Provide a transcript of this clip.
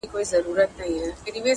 ښوونکی د ټولني څراغ او ځلېدونکی لمر دی